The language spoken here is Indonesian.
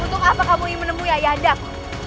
untuk apa kamu ingin menemui ayahdak